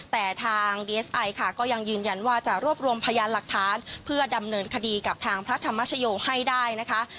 แต่ทางดีเอสไอค่ะก็ยังยืนยันว่าจะรวบรวมพยานหลักฐานเพื่อดำเนินคดีกับทางพระธรรมชโยให้ได้นะคะ